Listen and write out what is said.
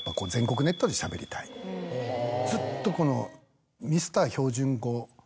ずっとこの。